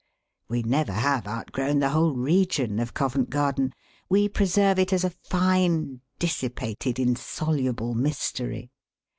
We never have outgrown the whole region of Covent Garden. We preserve it as a tine, dissipated, insoluble mystery.